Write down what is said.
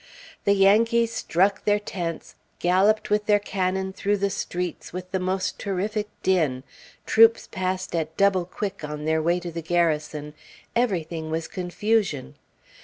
The Yankees struck their tents, galloped with their cannon through the streets with the most terrific din, troops passed at double quick on their way to the Garrison, everything was confusion.